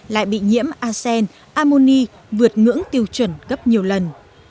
lại bị nhiễm arsen ammoni vượt ngưỡng tiêu chuẩn gấp nhiều lần